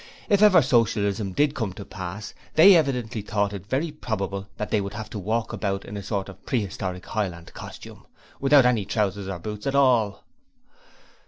If ever Socialism did come to pass, they evidently thought it very probable that they would have to walk about in a sort of prehistoric highland costume, without any trousers or boots at all.